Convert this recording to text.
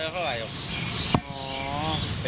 ครับ